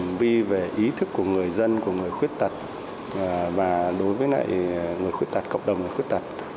hành vi về ý thức của người dân của người khuyết tật và đối với người khuyết tật cộng đồng người khuyết tật